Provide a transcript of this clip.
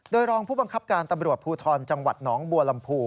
โดยรองผู้บังคับการตำรวจภูทรจังหวัดหนองบัวลำพู